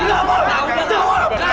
kamu ngapain dengan petri saya